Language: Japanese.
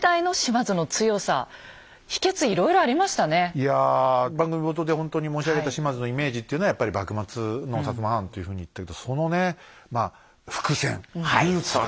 いや番組冒頭でほんとに申し上げた島津のイメージっていうのはやっぱり幕末の摩藩というふうに言ったけどそのねまあ伏線ルーツが戦国時代にあったって